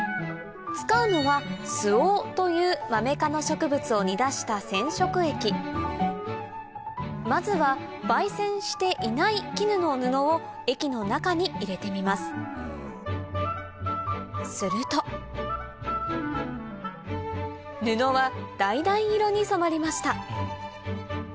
使うのはスオウというマメ科の植物を煮だした染色液まずは媒染していない絹の布を液の中に入れてみますすると布はだいだい色に染まりました